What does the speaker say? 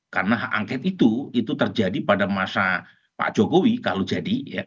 karena angket itu terjadi pada masa pak jokowi kalau jadi